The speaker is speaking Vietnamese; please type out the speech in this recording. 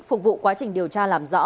phục vụ quá trình điều tra làm rõ